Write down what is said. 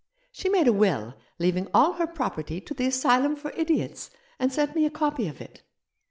She made a will leaving all her property to the Asylum for Idiots, and sent me a copy of it.